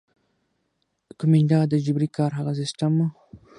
ایکومینډا د جبري کار هغه سیستم وو.